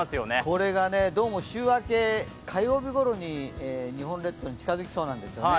これがどうも週明け、火曜日ごろに日本列島に近づきそうなんですよね。